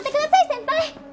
先輩！